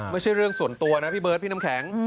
ไม่ใช่เรื่องส่วนตัวนะพี่เบิร์ดพี่น้ำแข็ง